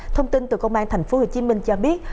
thông tin từ công an thành phố hồ chí minh cho biết